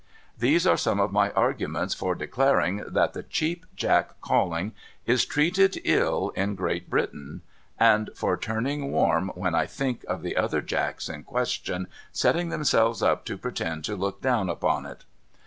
These are some of my argu ments for declaring that the Cheap Jack calling is treated ill in 2 c 386 DOCTOR MARIGOTJ) Great UriUiin, and for turning warm when I tliink of the other Jacks in question setting themselves up to pretend to look down upon it.